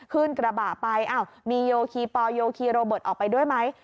ขึ้นกระบะไปอ้าวมีโยคีปอลโยคีโรเบิร์ตออกไปด้วยไหม